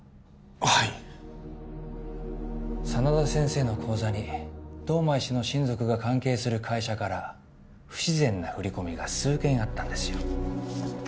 はい真田先生の口座に堂前氏の親族が関係する会社から不自然な振り込みが数件あったんですよ